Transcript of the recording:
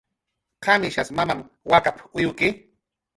"¿Qamishas mamam wakap"" uywki?"